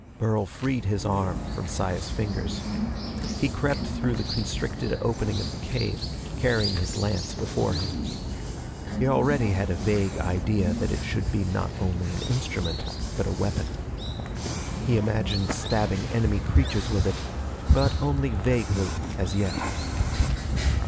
Burl freed his arm from Saya's fingers. He crept through the constricted opening of the cave, carrying his lance before him. He already had a vague idea that it should be not only an instrument but a weapon. He imagined stabbing enemy creatures with it but only vaguely, as yet.